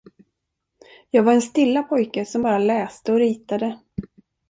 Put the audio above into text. Jag var en stilla pojke som bara läste och ritade.